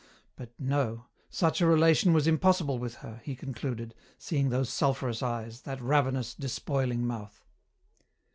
But no, such a relation was impossible with her, he concluded, seeing those sulphurous eyes, that ravenous, despoiling mouth.